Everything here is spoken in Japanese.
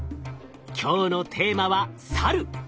今日のテーマはサル！